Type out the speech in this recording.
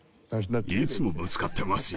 いつもぶつかってますよ。